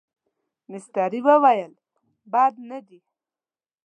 مستري وویل بد نه دي.